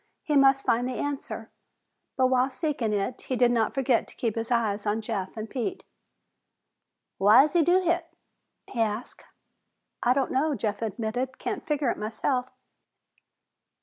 He must find the answer, but while seeking it he did not forget to keep his eyes on Jeff and Pete. "Why's he do hit?" he asked. "I don't know," Jeff admitted. "Can't figure it myself."